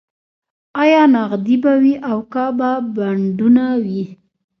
ایا نغدې به وي او که به بانډونه وي